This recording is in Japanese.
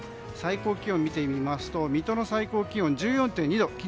最高気温を見てみますと水戸の最高気温は１４．２度。